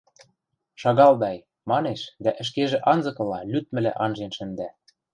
Шагалдай... – манеш дӓ ӹшкежӹ анзыкыла лӱдмӹлӓ анжен шӹнда.